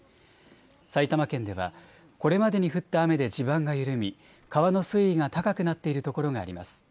埼玉県ではこれまでに降った雨で地盤が緩み、川の水位が高くなっているところがあります。